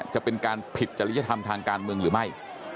จะเป็นการผิดจริยธรรมทางการเมืองหรือไม่